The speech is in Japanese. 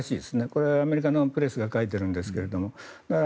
これ、アメリカのプレスが書いてるんですが。